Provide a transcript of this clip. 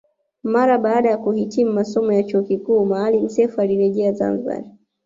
Mara baada ya kuhitimu masomo ya chuo kikuu Maalim Self alirejea Zanzibari